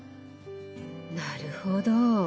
なるほど。